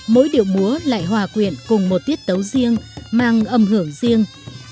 mỗi điệu múa lại hòa quyện cùng một tiết tấu riêng mang âm hưởng riêng